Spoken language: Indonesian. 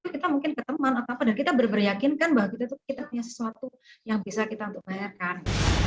kita mungkin keteman dan kita beryakinkan bahwa kita punya sesuatu yang bisa kita bayarkan